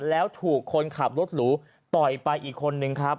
แล้วถูกคนขับรถหรูต่อยไปอีกคนนึงครับ